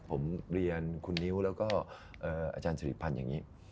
ผมเรียนคุณนิ้วแล้วก็อาจารย์สิริพันธ์อย่างนี้